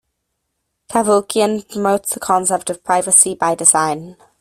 Cavoukian promotes the concept of Privacy by Design.